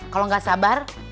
kalo gak sabar dibatalin nih